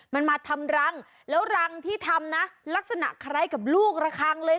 มันมาทำรังแล้วรังที่ทํ้คนัครักษณะใครกับลูกละครั้งเลยค่ะ